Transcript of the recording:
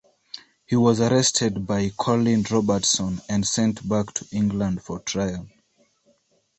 He was arrested by Colin Robertson and sent back to England for trial.